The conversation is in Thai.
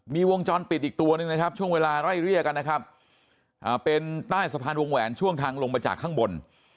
มีวงจรปิดอีกตัวหนึ่งนะครับช่วงเวลาไล่เรียกกันนะครับเป็นใต้สะพานวงแหวนช่วงทางลงมาจากข้างบน